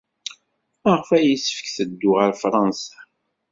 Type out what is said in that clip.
Maɣef ay yessefk teddu ɣer Fṛansa?